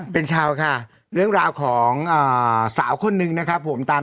เป็นชาวค่ะเรื่องราวของสาวคนนึงนะครับผมตาม